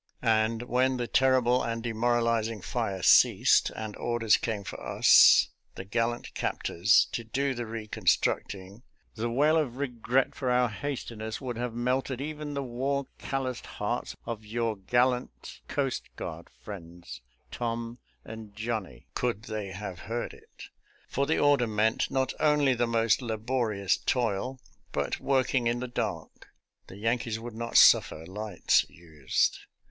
And when the terrible and demoralizing fire ceased, and orders came for us, the gallant cap tors, to do the reconstructing, the wail of regret for our hastiness would have melted even the war calloused hearts of your gallant coast guard friends, Tom and Johnnie, could they have heard it; for the order meant not only the most laborious toil, but working in the dark — the Yankees would not suffer lights used.